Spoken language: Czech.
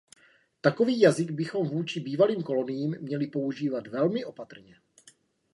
Takový jazyk bychom vůči bývalým koloniím měli používat velmi opatrně.